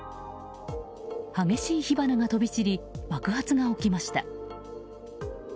激しい火花が飛び散り爆発が起きました。